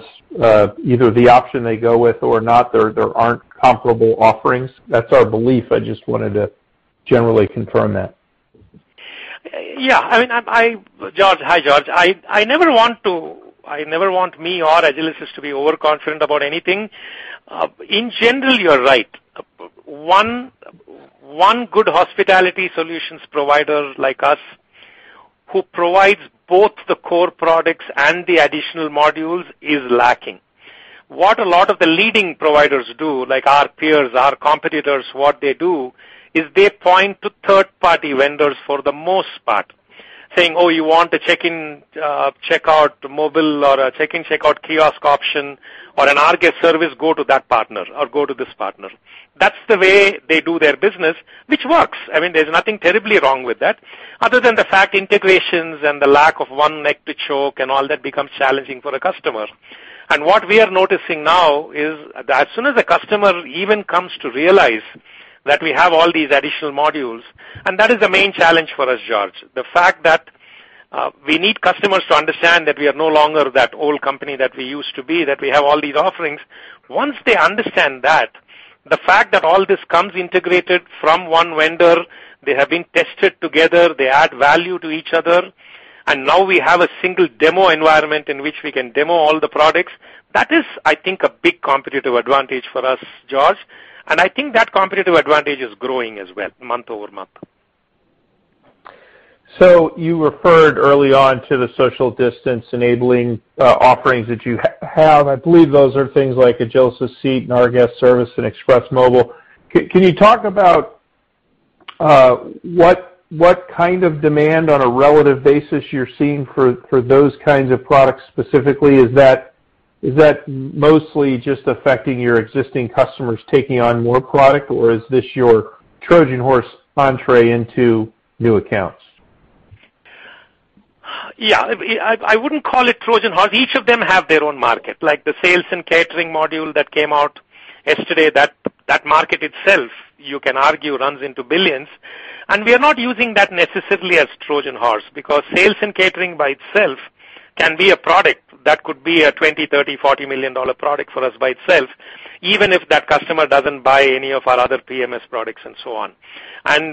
either the option they go with or not, there aren't comparable offerings? That's our belief. I just wanted to generally confirm that. Yeah. Hi, George. I never want me or Agilysys to be overconfident about anything. In general, you're right. One good hospitality solutions provider like us, who provides both the core products and the additional modules, is lacking. What a lot of the leading providers do, like our peers, our competitors, what they do is they point to third-party vendors for the most part, saying, "Oh, you want a check-in, check-out mobile or a check-in, check-out kiosk option or an Agilysys Service, go to that partner or go to this partner." That's the way they do their business, which works. There's nothing terribly wrong with that, other than the fact integrations and the lack of one neck to choke and all that becomes challenging for a customer. What we are noticing now is that as soon as the customer even comes to realize that we have all these additional modules, and that is the main challenge for us, George. The fact that we need customers to understand that we are no longer that old company that we used to be, that we have all these offerings. Once they understand that, the fact that all this comes integrated from one vendor, they have been tested together, they add value to each other, and now we have a single demo environment in which we can demo all the products. That is, I think, a big competitive advantage for us, George. I think that competitive advantage is growing as well, month-over-month. You referred early on to the social distance-enabling offerings that you have. I believe those are things like rGuest Seat and rGuest Service and Express Mobile. Can you talk about what kind of demand on a relative basis you're seeing for those kinds of products specifically? Is that mostly just affecting your existing customers taking on more product, or is this your Trojan horse entrée into new accounts? Yeah. I wouldn't call it Trojan horse. Each of them have their own market. Like the Agilysys Sales and Catering module that came out yesterday, that market itself, you can argue, runs into billions. We are not using that necessarily as Trojan horse, because Agilysys Sales and Catering by itself can be a product that could be a $20 million, $30 million, $40 million product for us by itself, even if that customer doesn't buy any of our other PMS products and so on.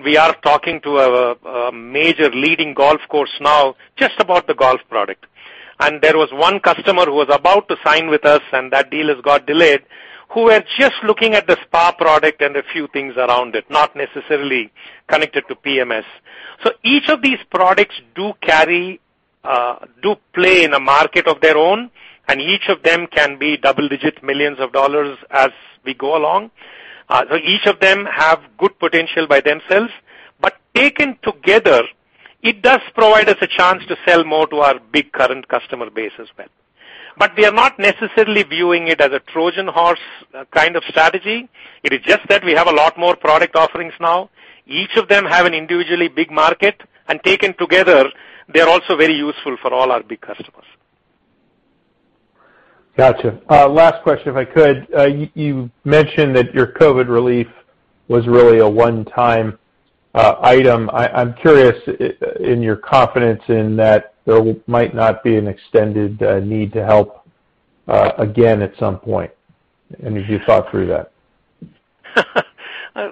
We are talking to a major leading golf course now just about the Agilysys Golf product. There was one customer who was about to sign with us, and that deal has got delayed, who were just looking at the Agilysys Spa product and a few things around it, not necessarily connected to PMS. Each of these products do play in a market of their own, and each of them can be double-digit millions of dollars as we go along. Each of them have good potential by themselves. Taken together, it does provide us a chance to sell more to our big current customer base as well. We are not necessarily viewing it as a Trojan horse kind of strategy. It is just that we have a lot more product offerings now. Each of them have an individually big market, and taken together, they're also very useful for all our big customers. Got you. Last question, if I could. You mentioned that your COVID relief was really a one-time item. I'm curious in your confidence in that there might not be an extended need to help again at some point, and if you thought through that.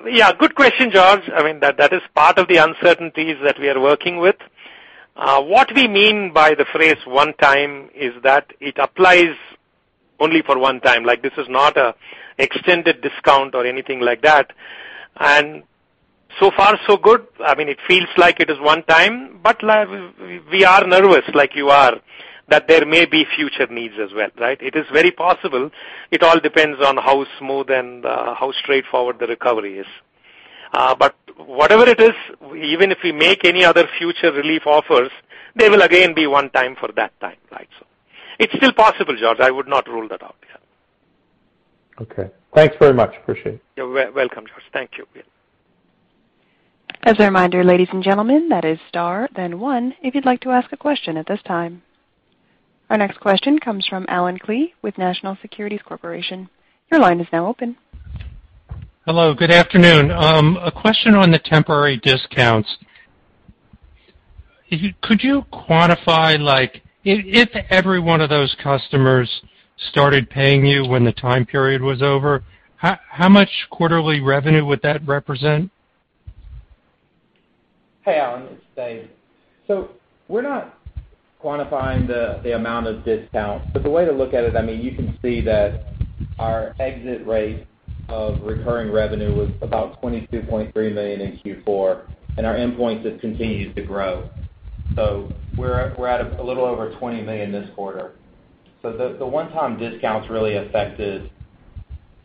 Yeah, good question, George. That is part of the uncertainties that we are working with. What we mean by the phrase one-time is that it applies only for one-time. This is not an extended discount or anything like that. So far so good. It feels like it is one-time, but we are nervous, like you are, that there may be future needs as well, right? It is very possible. It all depends on how smooth and how straightforward the recovery is. Whatever it is, even if we make any other future relief offers, they will again be one-time for that time. It's still possible, George. I would not rule that out. Yeah. Okay. Thanks very much. Appreciate it. You're welcome, George. Thank you. Yeah. As a reminder, ladies and gentlemen, that is star then one if you'd like to ask a question at this time. Our next question comes from Allen Klee with National Securities Corporation. Your line is now open. Hello, good afternoon. A question on the temporary discounts. Could you quantify, if every one of those customers started paying you when the time period was over, how much quarterly revenue would that represent? Hey, Allen, it's Dave. We're not quantifying the amount of discount. The way to look at it, you can see that our exit rate of recurring revenue was about $22.3 million in Q4, and our endpoint just continues to grow. We're at a little over $20 million this quarter. The one-time discounts really affected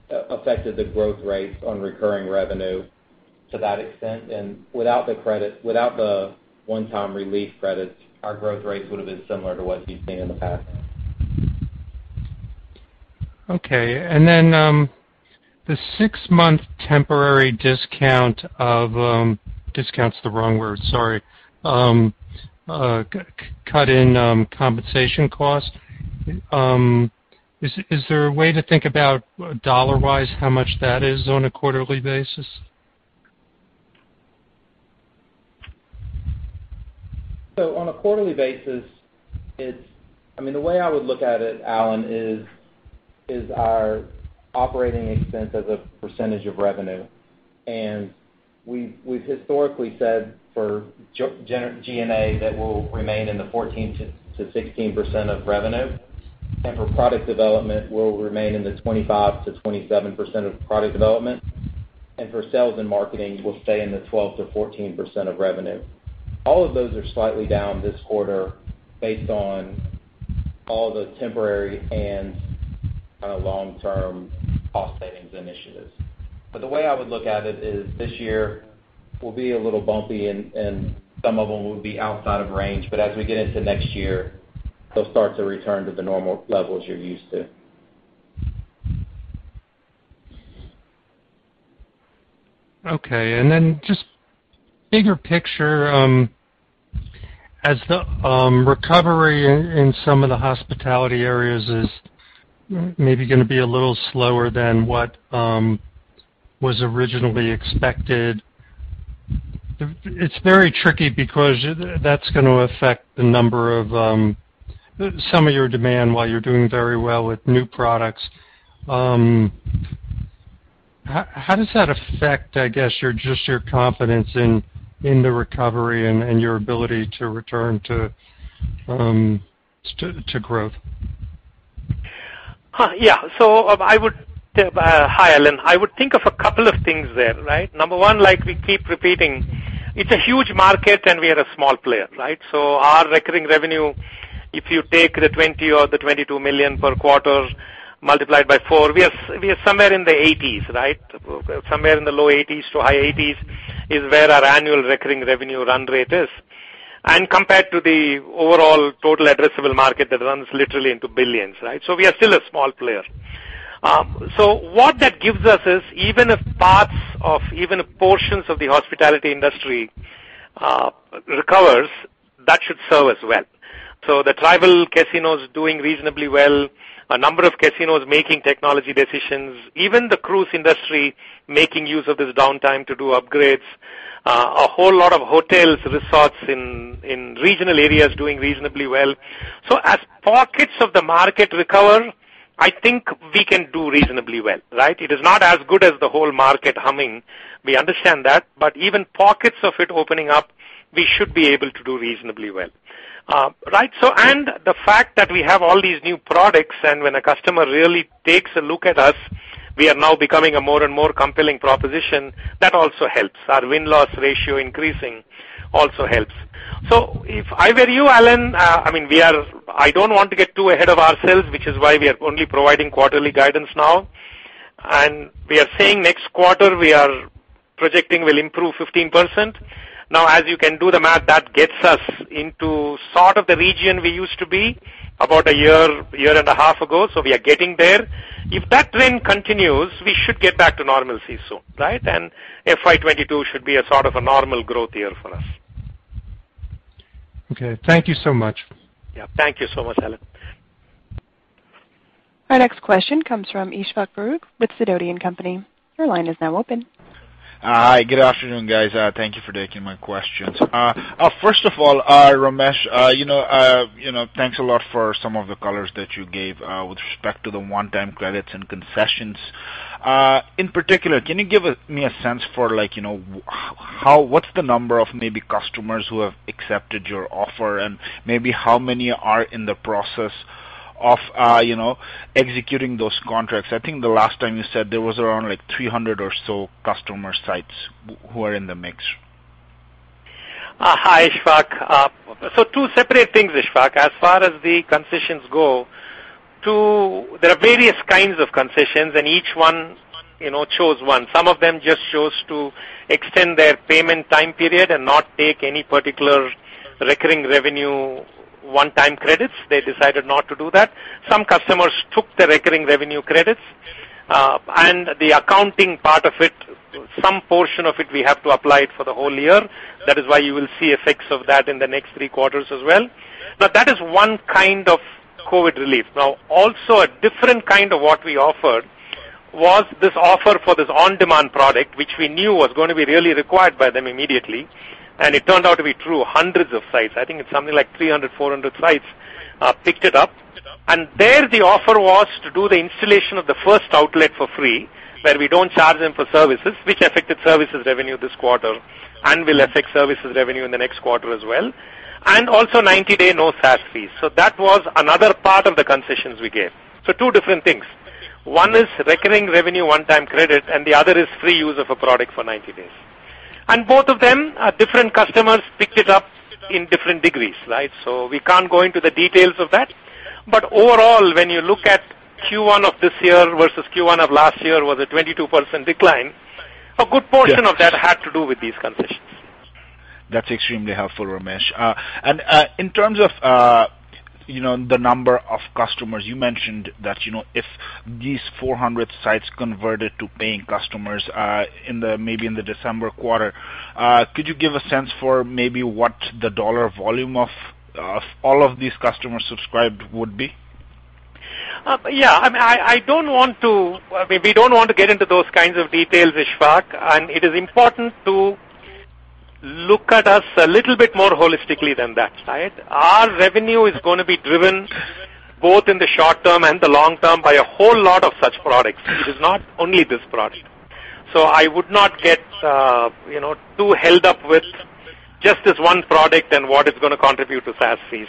the growth rates on recurring revenue to that extent. Without the one-time relief credits, our growth rates would have been similar to what you've seen in the past. Okay. The six-month temporary, discount's the wrong word, sorry, cut in compensation cost. Is there a way to think about, dollar-wise, how much that is on a quarterly basis? On a quarterly basis, the way I would look at it, Allen, is our operating expense as a percentage of revenue. We've historically said for G&A that we'll remain in the 14%-16% of revenue, and for product development, we'll remain in the 25%-27% of product development, and for sales and marketing, we'll stay in the 12%-14% of revenue. All of those are slightly down this quarter based on all the temporary and long-term cost savings initiatives. The way I would look at it is this year will be a little bumpy, and some of them will be outside of range. As we get into next year, they'll start to return to the normal levels you're used to. Okay. Just bigger picture, as the recovery in some of the hospitality areas is maybe going to be a little slower than what was originally expected, it's very tricky because that's going to affect some of your demand while you're doing very well with new products. How does that affect, I guess, just your confidence in the recovery and your ability to return to growth? Hi, Allen. I would think of a couple of things there, right? Number one, like we keep repeating, it's a huge market, and we are a small player, right? Our recurring revenue, if you take the $20 million or the $22 million per quarter multiplied by four, we are somewhere in the 80s, right? Somewhere in the low 80s to high 80s is where our annual recurring revenue run rate is. Compared to the overall total addressable market, that runs literally into billions, right? We are still a small player. What that gives us is, even if parts of, even if portions of the hospitality industry recovers, that should serve us well. The tribal casinos doing reasonably well, a number of casinos making technology decisions, even the cruise industry making use of this downtime to do upgrades. A whole lot of hotels, resorts in regional areas doing reasonably well. As pockets of the market recover, I think we can do reasonably well, right? It is not as good as the whole market humming. We understand that. Even pockets of it opening up, we should be able to do reasonably well. Right? The fact that we have all these new products, and when a customer really takes a look at us, we are now becoming a more and more compelling proposition. That also helps. Our win-loss ratio increasing also helps. If I were you, Allen, I don't want to get too ahead of ourselves, which is why we are only providing quarterly guidance now. We are saying next quarter, we are projecting we'll improve 15%. As you can do the math, that gets us into sort of the region we used to be about a year and a half ago. We are getting there. If that trend continues, we should get back to normalcy soon. Right? FY 2022 should be a sort of a normal growth year for us. Okay, thank you so much. Yeah, thank you so much, Allen. Our next question comes from Ishfaque Faruk with Sidoti & Company. Your line is now open. Hi, good afternoon, guys. Thank you for taking my questions. First of all, Ramesh, thanks a lot for some of the colors that you gave with respect to the one-time credits and concessions. In particular, can you give me a sense for what's the number of maybe customers who have accepted your offer, and maybe how many are in the process of executing those contracts? I think the last time you said there was around 300 or so customer sites who are in the mix. Hi, Ishfaque. Two separate things, Ishfaque. As far as the concessions go, there are various kinds of concessions, and each one chose one. Some of them just chose to extend their payment time period and not take any particular recurring revenue, one-time credits. They decided not to do that. Some customers took the recurring revenue credits. The accounting part of it, some portion of it, we have to apply it for the whole year. That is why you will see effects of that in the next three quarters as well. That is one kind of COVID relief. Also, a different kind of what we offered was this offer for this OnDemand product, which we knew was going to be really required by them immediately. It turned out to be true. Hundreds of sites, I think it's something like 300, 400 sites, picked it up. There, the offer was to do the installation of the first outlet for free, where we don't charge them for services, which affected services revenue this quarter and will affect services revenue in the next quarter as well. Also 90-day, no SaaS fees. That was another part of the concessions we gave. Two different things. One is recurring revenue, one-time credit, and the other is free use of a product for 90 days. Both of them, different customers picked it up in different degrees, right? We can't go into the details of that. Overall, when you look at Q1 of this year versus Q1 of last year, was a 22% decline. Yes. A good portion of that had to do with these concessions. That's extremely helpful, Ramesh. In terms of the number of customers, you mentioned that if these 400 sites converted to paying customers maybe in the December quarter, could you give a sense for maybe what the dollar volume of all of these customers subscribed would be? Yeah. We don't want to get into those kinds of details, Ishfaque, and it is important to look at us a little bit more holistically than that, right? Our revenue is going to be driven both in the short term and the long term by a whole lot of such products. It is not only this product. I would not get too held up with just this one product and what it's going to contribute to SaaS fees.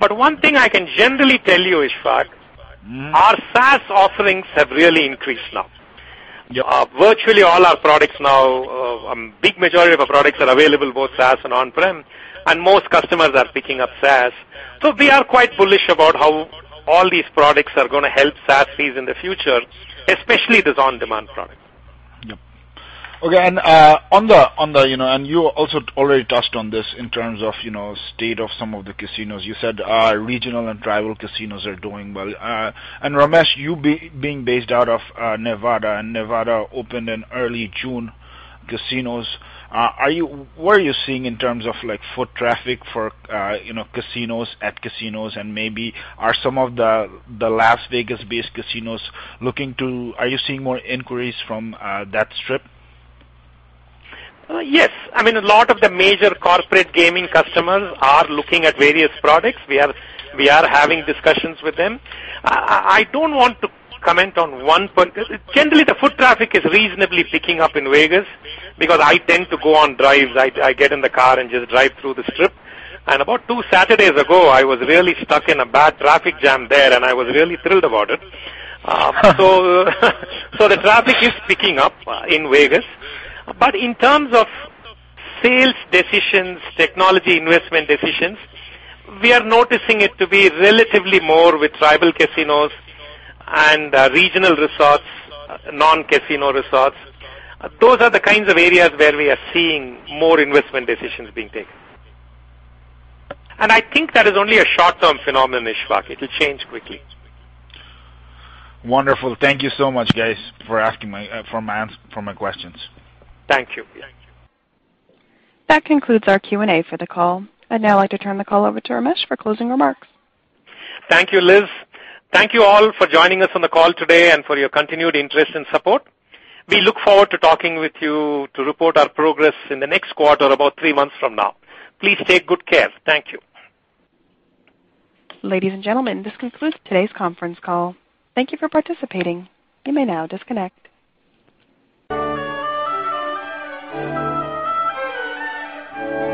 One thing I can generally tell you, Ishfaque. Our SaaS offerings have really increased now. Yeah. Virtually all our products now, a big majority of our products are available both SaaS and on-prem, and most customers are picking up SaaS. We are quite bullish about how all these products are going to help SaaS fees in the future, especially this OnDemand product. Yep. Okay, you also already touched on this in terms of state of some of the casinos. You said regional and tribal casinos are doing well. Ramesh, you being based out of Nevada opened in early June, casinos. What are you seeing in terms of foot traffic for casinos, at casinos, and maybe are some of the Las Vegas-based casinos, are you seeing more inquiries from that Strip? Yes. A lot of the major corporate gaming customers are looking at various products. We are having discussions with them. I don't want to comment on. The foot traffic is reasonably picking up in Vegas because I tend to go on drives. I get in the car and just drive through the strip. About two Saturdays ago, I was really stuck in a bad traffic jam there, and I was really thrilled about it. The traffic is picking up in Vegas. In terms of sales decisions, technology investment decisions, we are noticing it to be relatively more with tribal casinos and regional resorts, non-casino resorts. Those are the kinds of areas where we are seeing more investment decisions being taken. I think that is only a short-term phenomenon, Ishfaque. It'll change quickly. Wonderful. Thank you so much, guys, for my questions. Thank you. That concludes our Q&A for the call. I'd now like to turn the call over to Ramesh for closing remarks. Thank you, Liz. Thank you all for joining us on the call today and for your continued interest and support. We look forward to talking with you to report our progress in the next quarter, about three months from now. Please take good care. Thank you. Ladies and gentlemen, this concludes today's conference call. Thank you for participating. You may now disconnect.